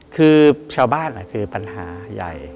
คือชาวบ้านคือปัญหาใหญ่